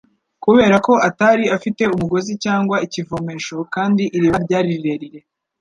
kubera ko atari afite umugozi cyangwa ikivomesho, kandi iriba ryari rirerire